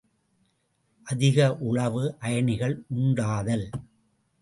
அதிக அளவு அயனிகள் உண்டாதல்.